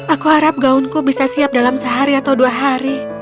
aku harap gaunku bisa siap dalam sehari atau dua hari